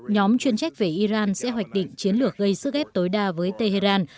nhóm chuyên trách về iran sẽ hoạch định chiến lược gây sức ép tối đa với tehran